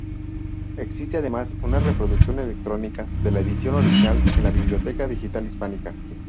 Existe además una reproducción electrónica de la edición original en la Biblioteca Digital Hispánica.